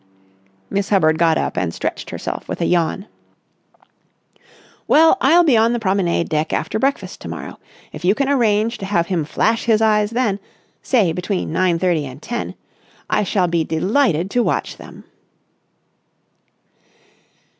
Miss Hubbard got up and stretched herself with a yawn. "Well, I'll be on the promenade deck after breakfast to morrow. If you can arrange to have him flash his eyes then—say between nine thirty and ten—I shall be delighted to watch them."